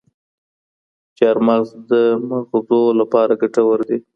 چارمغز د ماغزو لپاره ګټور دي.